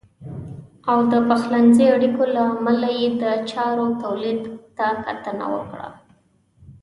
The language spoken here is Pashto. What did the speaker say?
او د خپلمنځي اړیکو له امله یې د چارو تولید ته کتنه وکړه .